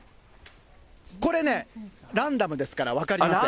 これね、ランダムですから分かりません。